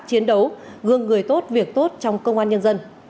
chiến đấu gương người tốt việc tốt trong công an nhân dân